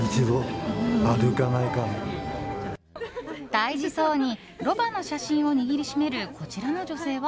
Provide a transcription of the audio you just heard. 大事そうにロバの写真を握りしめるこちらの女性は。